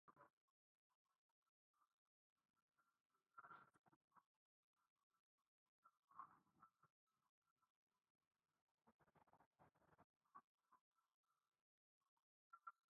His feet and shins were encased in concrete set inside a five-gallon bucket.